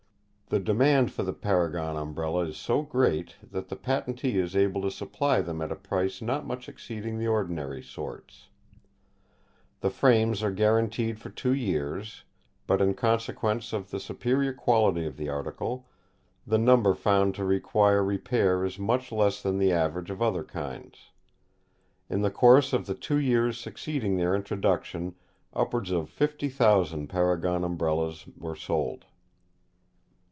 "The demand for the Paragon Umbrella is so great, that the patentee is able to supply them at a price not much exceeding the ordinary sorts. The frames are guaranteed for two years, but in consequence of the superior quality of the article, the number found to require repair is much less than the average of other kinds. In the course of the two years succeeding their introduction, upwards of 50,000 Paragon Umbrellas mere sold.